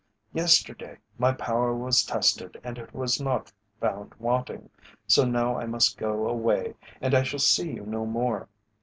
Yesterday my power was tested and it was not found wanting, so now I must go away and I shall see you no more.